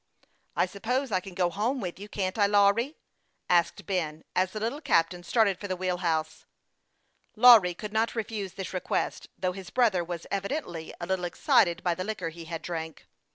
277 "I suppose I can go home with you can't I, Lawry ?" asked Ben, as the little captain started for the wheel house. Lawry could not refuse this request, though his brother was evidently a little excited by the liquor he had drank.